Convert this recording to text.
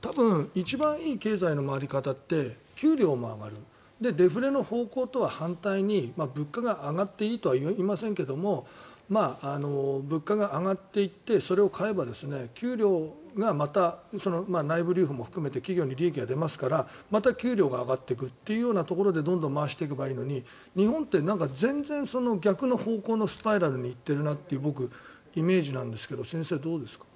多分一番いい経済の回り方って給料も上がるデフレの方向とは反対に物価が上がっていいとは言いませんが物価が上がっていってそれを買えば給料がまた内部留保も含めて企業に利益が出ますからまた給料が上がってくというようなところでどんどん回していけばいいのに日本って全然逆の方向のスパイラルに行ってるなという僕、イメージなんですけど先生、どうですか？